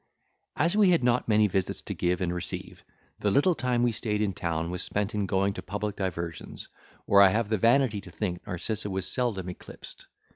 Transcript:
As we had not many visits to give and receive, the little time we stayed in town was spent in going to public diversions, where I have the vanity to think Narcissa was seldom eclipsed.